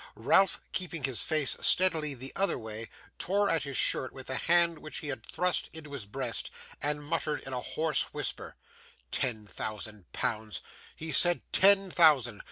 Ralph, keeping his face steadily the other way, tore at his shirt with the hand which he had thrust into his breast, and muttered in a hoarse whisper: 'Ten thousand pounds! He said ten thousand!